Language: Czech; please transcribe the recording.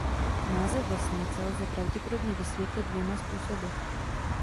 Název vesnice lze pravděpodobně vysvětlit dvěma způsoby.